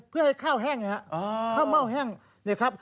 เพื่อให้ข้าวแห้งอย่างเงี้ยฮะอ๋อข้าวเม่าแห้งนี่ครับ